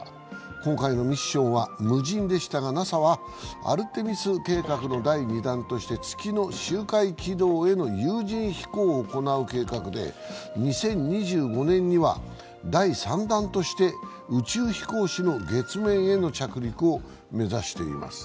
今回のミッションは無人でしたがＮＡＳＡはアルテミス計画の第２弾として月の周回軌道への有人飛行を行う計画で、２０２５年には第３弾として宇宙飛行士の月面への着陸を目指しています。